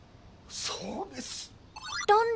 そうです！